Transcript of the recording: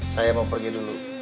saya mau pergi dulu